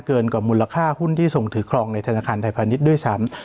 เกินกว่ามูลค่าหุ้นที่ส่งถือครองในธนาคารไทยพาณิชย์ด้วยซ้ำ